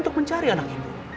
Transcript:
untuk mencari anak ibu